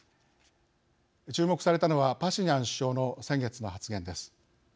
注目されたのはパシニャン首相の先月の発言です。